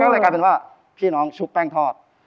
ก็เลยกลายเป็นว่าพี่น้องชุบแป้งทอด